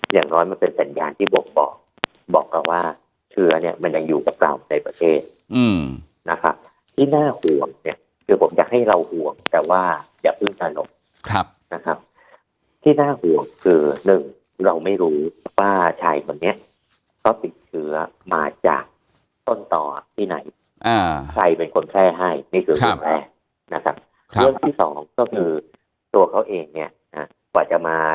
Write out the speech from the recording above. อย่างน้อยมันเป็นสัญญาณที่บกบอกบอกเขาว่าเชื้อเนี่ยมันยังอยู่กับเราในประเทศนะครับที่น่าห่วงเนี่ยคือผมอยากให้เราห่วงแต่ว่าอย่าเพิ่งตลกนะครับที่น่าห่วงคือหนึ่งเราไม่รู้ว่าชายคนนี้เขาติดเชื้อมาจากต้นต่อที่ไหนใครเป็นคนแพร่ให้นี่คือเรื่องแรกนะครับเรื่องที่สองก็คือตัวเขาเองเนี่ยกว่าจะมา